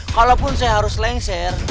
kalaupun saya harus lengser